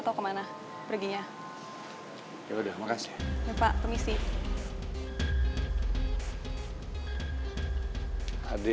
atau jangan jangan dia ketemu tukang pakir itu lagi